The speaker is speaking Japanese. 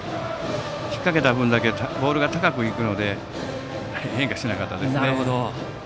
引っ掛けた分だけボールが高く行くので変化しなかったですね。